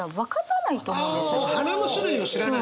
花の種類を知らない？